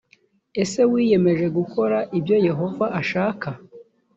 ese wiyemeje gukora ibyo yehova ashaka‽